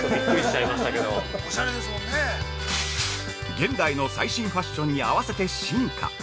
◆現代の最新ファッションに合わせて進化。